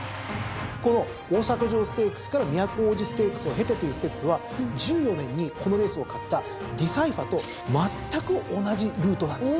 この大阪城ステークスから都大路ステークスを経てというステップは１４年にこのレースを勝ったディサイファとまったく同じルートなんですよ。